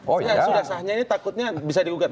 oh iya sudah sahnya ini takutnya bisa di gugur